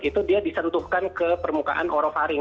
itu dia disertuhkan ke permukaan korofaring